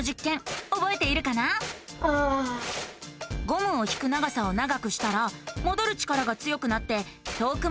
ゴムを引く長さを長くしたらもどる力が強くなって遠くまでうごいたよね。